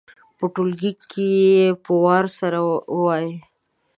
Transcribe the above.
په ټولګي کې دې یې په وار سره ووايي.